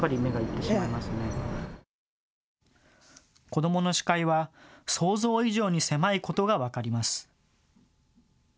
子どもの視界は想像以上に狭いことが分かります。